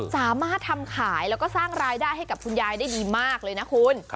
สามารถทำขายแล้วก็สร้างรายได้ให้กับคุณยายได้ดีมากเลยนะคุณ